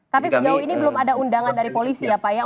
tapi sejauh ini belum ada undangan dari polisi ya pak ya